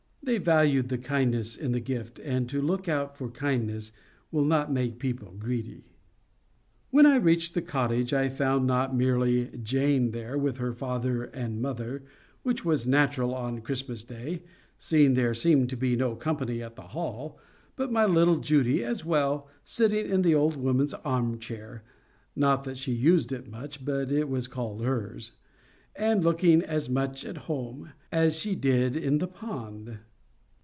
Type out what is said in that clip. They valued the kindness in the gift, and to look out for kindness will not make people greedy. When I reached the cottage, I found not merely Jane there with her father and mother, which was natural on Christmas Day, seeing there seemed to be no company at the Hall, but my little Judy as well, sitting in the old woman's arm chair, (not that she used it much, but it was called hers,) and looking as much at home as—as she did in the pond.